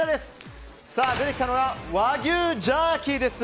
出てきたのは和牛ジャーキーです。